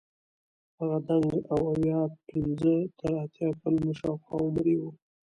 هغه دنګ او اویا پنځه تر اتیا کلونو شاوخوا عمر یې وو.